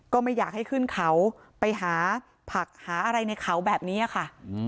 ก็ไม่อยากให้ขึ้นเขาไปหาผักหาอะไรในเขาแบบนี้ค่ะ